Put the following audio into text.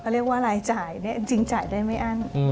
เรียกว่ารายจ่ายจริงจ่ายได้ไม่อ้าง